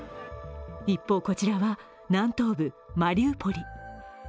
一方、こちらは南東部マリウポリ。